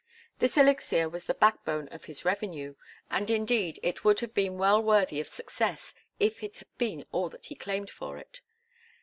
This elixir was the backbone of his revenue; and indeed it would have been well worthy of success if it had been all that he claimed for it.